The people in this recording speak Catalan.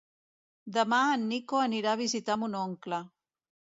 Demà en Nico anirà a visitar mon oncle.